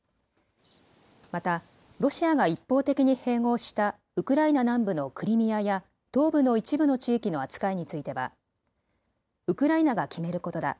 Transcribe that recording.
また、ロシアが一方的に併合したウクライナ南部のクリミアや東部の一部の地域の扱いについてはウクライナが決めることだ。